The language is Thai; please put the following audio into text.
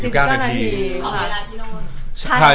ตอนเวลาที่นั่นนั่น